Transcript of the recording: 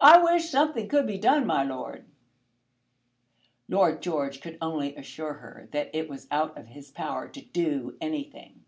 I wish something could be done, my lord." Lord George could only assure her that it was out of his power to do anything.